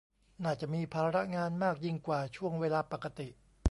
น่าจะมีภาระงานมากยิ่งกว่าช่วงเวลาปกติ